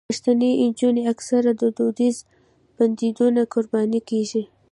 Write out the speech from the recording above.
پښتنې نجونې اکثره د دودیزو بندیزونو قرباني کېږي.